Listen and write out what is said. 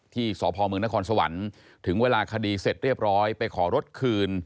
ที่สพเมืองนครสวรรค์ถึงเวลาคดีเสร็จเรียบร้อยไปขอรถคืน